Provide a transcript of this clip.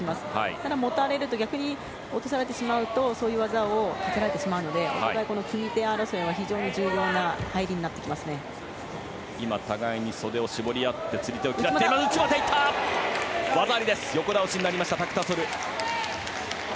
ただ、持たれると逆に落とされてしまうとそういう技をかけられてしまうのでお互い、組み手争いは非常に重要な入りになってきます。